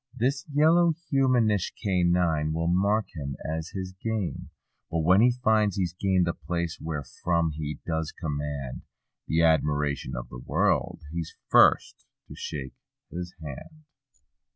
This yellow humanish canine will mark him as his game; But when he finds he's gained the place wherefrom he does command The admiration of the world—he's first to shake his hand.